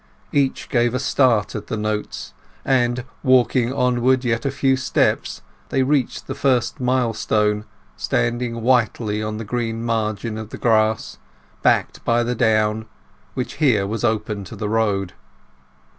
Each gave a start at the notes, and, walking onward yet a few steps, they reached the first milestone, standing whitely on the green margin of the grass, and backed by the down, which here was open to the road.